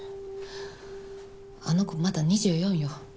あの子まだ２４よ。